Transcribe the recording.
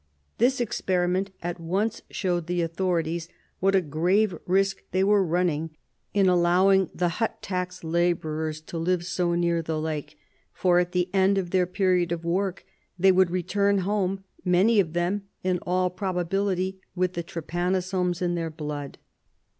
This experiment at once showed the authorities what a grave risk they were running in allowing the hut tax labourers to live so near the lake, for at the end of their period of work they would return home, many of them, in all probability, with the trypanosomes in their blood.